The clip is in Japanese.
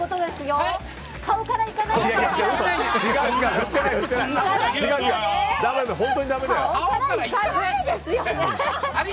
顔からいかないですよね。